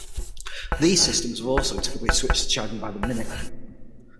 These systems have also typically switched to charging by the minute.